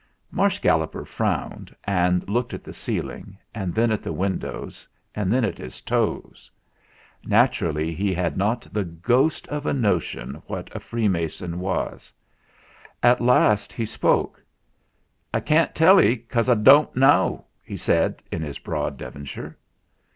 Marsh Galloper frowned and looked at the ceiling, and then at the windows, and then at his toes. Naturally he had not the ghost of a notion what a freemason was. At last he spoke. "I can't tell 'e, because I doan't knaw," he said in his broad Devonshire.